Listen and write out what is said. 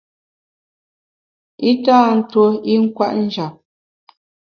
I tâ ntuo i nkwet njap.